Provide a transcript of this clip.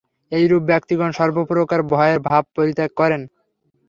এইরূপ ব্যক্তিগণ সর্বপ্রকার ভয়ের ভাব পরিত্যাগ করেন।